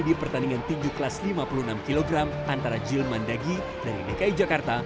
di pertandingan tinju kelas lima puluh enam kg antara jilman dagi dari dki jakarta